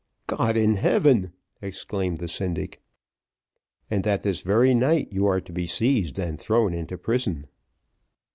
"God in heaven!" exclaimed the syndic. "And that this very night you are to be seized and thrown into prison."